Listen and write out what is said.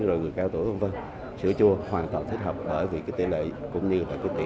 rồi người cao tuổi vân vân sữa chua hoàn toàn thích hợp bởi vì cái tỷ lệ cũng như là cái tỷ